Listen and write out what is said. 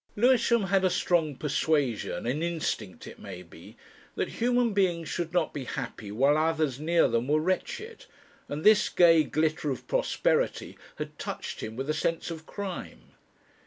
Lewisham had a strong persuasion, an instinct it may be, that human beings should not be happy while others near them were wretched, and this gay glitter of prosperity had touched him with a sense of crime.